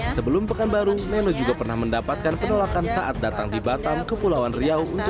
sebelum pekanbaru nenowarisman juga pernah mendapatkan penolakan saat datang di batam ke pulauan riau